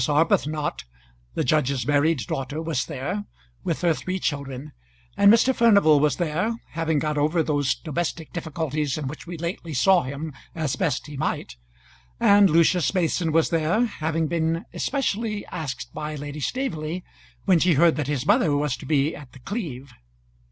Arbuthnot, the judge's married daughter, was there, with her three children; and Mr. Furnival was there, having got over those domestic difficulties in which we lately saw him as best he might; and Lucius Mason was there, having been especially asked by Lady Staveley when she heard that his mother was to be at The Cleeve.